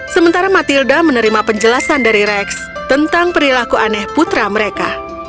sementara matilda menerima penjelasan dari rex tentang perilaku aneh putra mereka